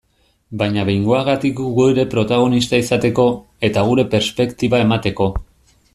Baina behingoagatik gu ere protagonista izateko, eta gure perspektiba emateko.